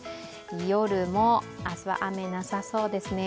夜も明日は雨がなさそうですね。